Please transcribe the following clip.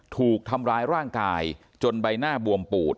ถูกทำร้ายร่างกายจนใบหน้าบวมปูด